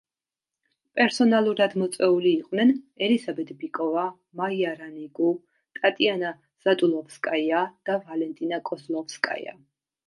პერსონალურად მოწვეული იყვნენ ელისაბედ ბიკოვა, მაია რანიკუ, ტატიანა ზატულოვსკაია და ვალენტინა კოზლოვსკაია.